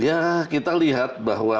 ya kita lihat bahwa